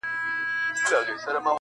که ته چرګ نه وای پیدا، او ته زمری وای -